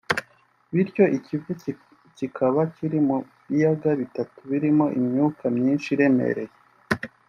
bityo i Kivu kikaba kiri mu biyaga bitatu birimo imyuka myinshi iremereye